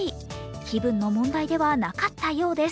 気分の問題ではなかったようです。